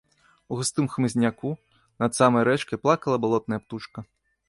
У густым хмызняку, над самай рэчкай, плакала балотная птушка.